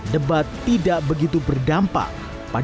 debat tidak begitu berdampak pada pilihan pemilihan